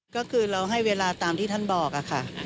ก็คือเราให้เวลาตามที่ท่านบอกค่ะ